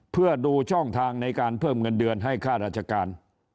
เพื่อดูช่องทางในการเพิ่มเงินเดือนให้ค่าราชการ